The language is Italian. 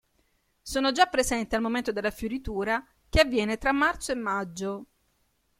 Sono già presenti al momento della fioritura, che avviene tra marzo e maggio.